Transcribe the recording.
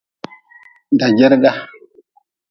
Dajerga.